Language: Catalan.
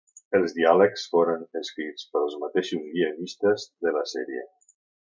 Els diàlegs foren escrits pels mateixos guionistes de la sèrie.